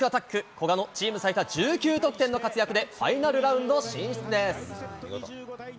古賀のチーム最多１９得点の活躍で、ファイナルラウンド進出です。